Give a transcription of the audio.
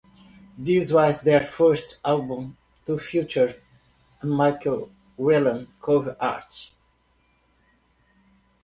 This was their first album to feature a Michael Whelan cover art.